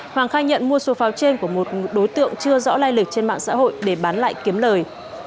hoàng khai nhận mua số pháo trên của một đối tượng chưa rõ lai lịch trên mạng xã hội để bán lại kiếm lời